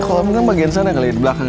kolam renang bagian sana kali ya belakang